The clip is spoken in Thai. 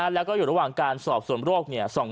แล้วก็อยู่ระหว่างการสอบส่วนโรค